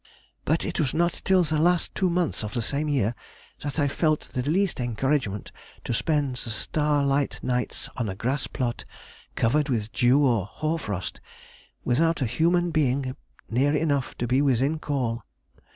But it was not till the last two months of the same year that I felt the least encouragement to spend the star light nights on a grass plot covered with dew or hoar frost, without a human being near enough to be within call.